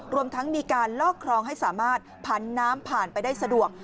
รวมทั้งมีการลอกครองให้สามารถผันน้ำผ่านไปได้สะดวก